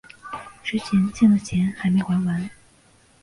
之前欠的钱还没还完